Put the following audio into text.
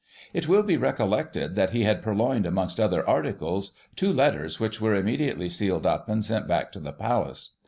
It will be recollected that he had purloined, amongst other articles, two letters, which were immediately sealed up, and sent back to the Palace.